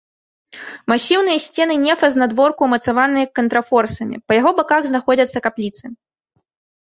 Масіўныя сцены нефа знадворку ўмацаваныя контрфорсамі, па яго баках знаходзяцца капліцы.